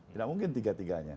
tidak mungkin tiga tiganya